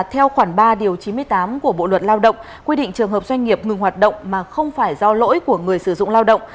theo khoản ba điều chín mươi tám của bộ luật lao động quy định trường hợp doanh nghiệp ngừng hoạt động mà không phải do lỗi của người sử dụng lao động